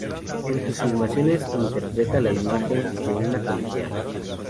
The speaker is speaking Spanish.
En sus filmaciones interpreta la imagen de una colegiala.